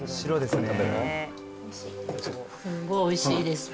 すんごいおいしいです。